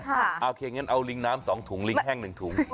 ค่ะโอเคอย่างนั้นเอาลิงน้ำสองถุงลิงแห้งหนึ่งถุง